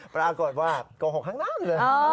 ปรากฏว่ากล่าวหกข้างนั้นเลย